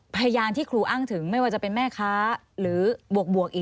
พยานที่ครูอ้างถึงไม่ว่าจะเป็นแม่ค้าหรือบวกอีก